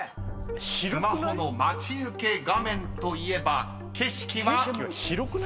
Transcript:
［スマホの待ち受け画面といえば景色は３００人